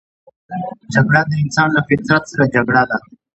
جګړه د انسان له فطرت سره جګړه ده